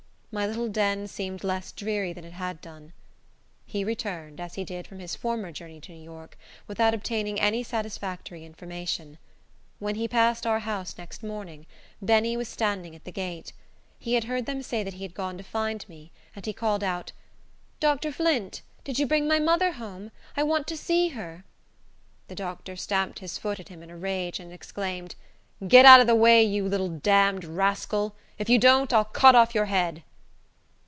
My little den seemed less dreary than it had done. He returned, as he did from his former journey to New York, without obtaining any satisfactory information. When he passed our house next morning, Benny was standing at the gate. He had heard them say that he had gone to find me, and he called out, "Dr. Flint, did you bring my mother home? I want to see her." The doctor stamped his foot at him in a rage, and exclaimed, "Get out of the way, you little damned rascal! If you don't, I'll cut off your head."